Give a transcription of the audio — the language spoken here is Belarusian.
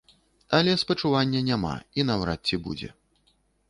Але спачування няма і наўрад ці будзе.